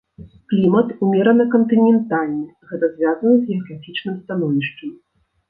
Клімат умерана-кантынентальны, гэта звязана з геаграфічным становішчам.